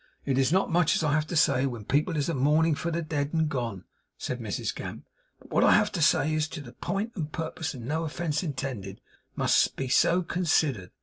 'It is not much as I have to say when people is a mourning for the dead and gone,' said Mrs Gamp; 'but what I have to say is TO the pint and purpose, and no offence intended, must be so considered.